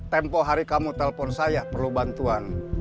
tempoh hari kamu telpon saya perlu bantuan